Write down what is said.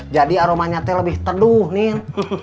jadi aromanya teh lebih terduh nin